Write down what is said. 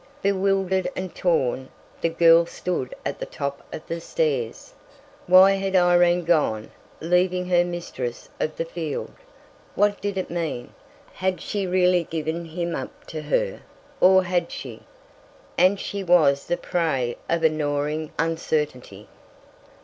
Bewildered and torn, the girl stood at the top of the stairs. Why had Irene gone, leaving her mistress of the field? What did it mean? Had she really given him up to her? Or had she...? And she was the prey of a gnawing uncertainty....